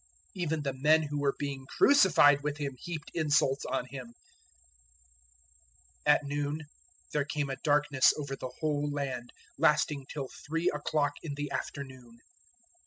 Even the men who were being crucified with Him heaped insults on Him. 015:033 At noon there came a darkness over the whole land, lasting till three o'clock in the afternoon.